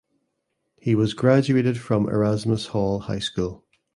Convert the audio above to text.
He was graduated from Erasmus Hall High School.